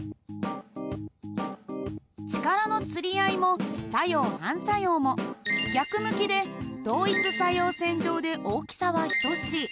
力のつり合いも作用・反作用も逆向きで同一作用線上で大きさは等しい。